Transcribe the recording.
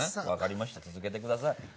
わかりました続けてください。